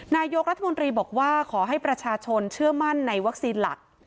นายกรัฐมนตรีบอกว่าขอให้ประชาชนเชื่อมั่นในวัคซีนหลัก